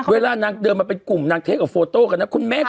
เวลานางเดินมาเป็นกลุ่มนางเทคกับโฟโต้กันนะคุณแม่